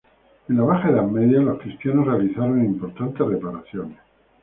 En la Baja Edad Media los cristianos realizaron importantes reparaciones.